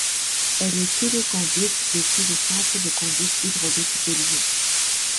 Elle est téléconduite depuis le Centre de Conduite Hydraulique de Lyon.